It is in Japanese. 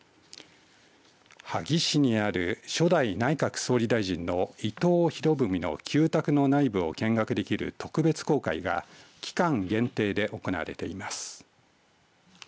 萩市にある初代、内閣総理大臣の伊藤博文の旧宅の内部を見学できる特別公開が期間限定で行われています。